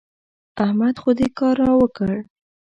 احمد خو دې کار را وکړ.